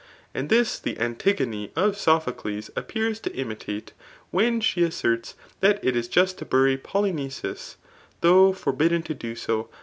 And this th^ Antigone of Sophocles s^>pears to intimate, when sbf asserts that it is just to bury PolyqiceS) though forbiddefi ^to 4o so.